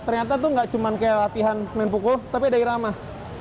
ternyata tuh enggak cuman kayak latihan main pukul tapi ada iramah